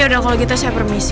yaudah kalau gitu saya permisi